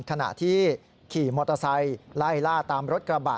ขณะที่ขี่มอเตอร์ไซค์ไล่ล่าตามรถกระบะ